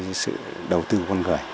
vì máy móc nó làm thay con người